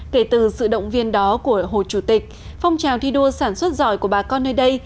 kể từ sự động viên đó của hồ chủ tịch phong trào thi đua sản xuất giỏi của bà con nơi đây